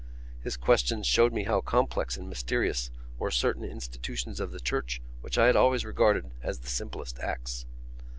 His questions showed me how complex and mysterious were certain institutions of the Church which I had always regarded as the simplest acts.